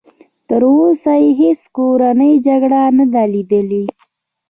تر اوسه یې هېڅ کورنۍ جګړه نه ده لیدلې.